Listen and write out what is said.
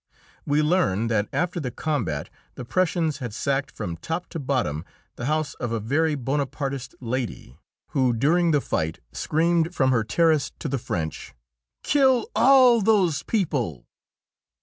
We learned that after the combat the Prussians had sacked from top to bottom the house of a very Bonapartist lady, who during the fighting screamed from her terrace to the French, "Kill all those people!"